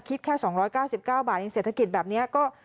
คิดแค่๒๙๙บาทในเศรษฐกิจแบบนี้ก็